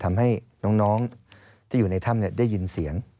ทำให้น้องในถ้ำได้ยินเสียง